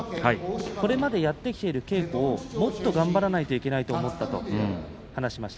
これまでやってきている稽古をもっと頑張らないといけないと思ったということを話しています。